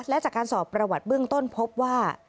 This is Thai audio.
และจากการสอบประวัติเบื้องต้นพบว่า